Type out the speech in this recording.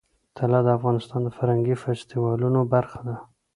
طلا د افغانستان د فرهنګي فستیوالونو برخه ده.